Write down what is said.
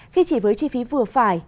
khi chỉ với chi phí vừa phải